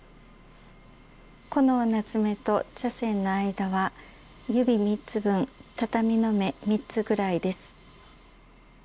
この棗と茶筅の間は指３つ分畳の目３つくらいです。